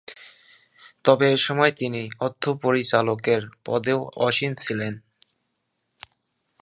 তবে এসময় তিনি অর্থ পরিচালকের পদেও আসীন ছিলেন।